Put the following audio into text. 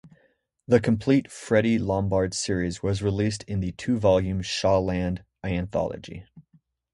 The complete Freddy Lombard series was released in the two volume Chaland Anthology.